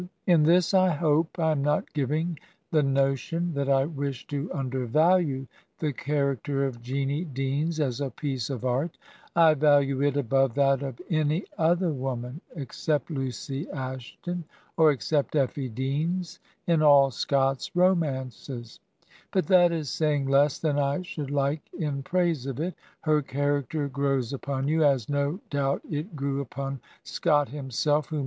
n In this I hope I am not giving the notion that I wish to undervalue the character of Jeanie Deans as a piece of art. I value it above that of any other woman, ex cept Lucy Ashton, or except Eflfie Deans, in all Scott's romances; but that is saying less than I should like in praise of it. Her character grows upon you, as no doubt it grew upon Scott himself, who.